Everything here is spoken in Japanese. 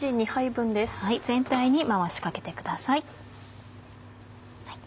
全体に回しかけてください。